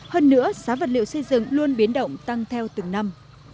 hơn nữa giá vật liệu xây dựng luôn biến động tăng theo từng năm